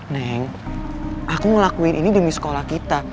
neng aku ngelakuin ini demi sekolah kita